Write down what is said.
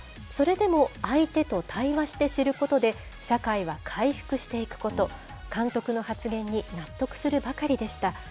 それでも相手と対話して知ることで、社会は回復していくこと、監督の発言に納得するばかりでした。